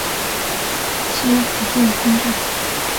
迁福建参政。